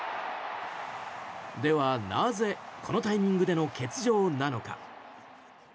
では、なぜこのタイミングでの欠場なのか。